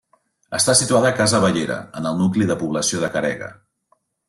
Està situada a Casa Bellera, en el nucli de població de Caregue.